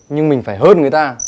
nhưng mình phải hơn người ta